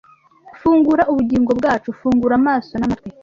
fungura ubugingo bwacu fungura amaso n'amatwi